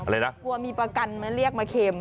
แล้ววัวมีประกันไหมเรียกมาเข็ม